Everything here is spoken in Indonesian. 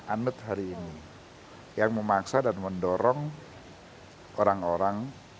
anet hari ini yang memaksa dan mendorong orang orang